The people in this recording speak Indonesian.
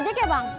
ojek ya bang